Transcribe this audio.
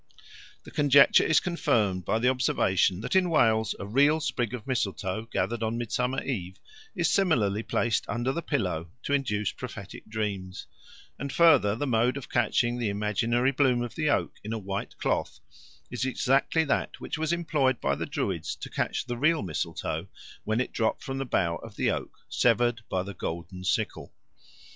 The conjecture is confirmed by the observation that in Wales a real sprig of mistletoe gathered on Midsummer Eve is similarly placed under the pillow to induce prophetic dreams; and further the mode of catching the imaginary bloom of the oak in a white cloth is exactly that which was employed by the Druids to catch the real mistletoe when it dropped from the bough of the oak, severed by the golden sickle.